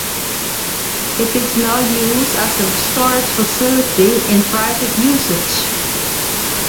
It is now used as a storage facility in private usage.